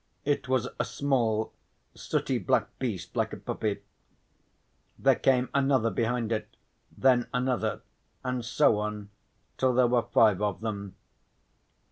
It was a small sooty black beast, like a puppy. There came another behind it, then another and so on till there were five of them.